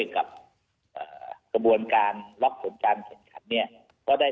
และก็สปอร์ตเรียนว่าคำน่าจะมีการล็อคกรมการสังขัดสปอร์ตเรื่องหน้าในวงการกีฬาประกอบสนับไทย